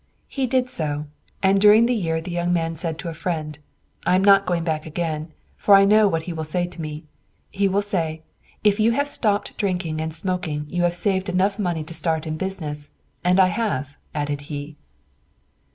He did so, and during the year the young man said to a friend, "I am not going back again, for I know what he will say to me. He will say, 'If you have stopped drinking and smoking you have saved enough money to start in business,' and I have," added he.